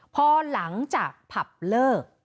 พอหลังจากผับเลิก